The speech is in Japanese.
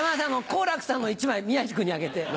好楽さんの１枚宮治君にあげて。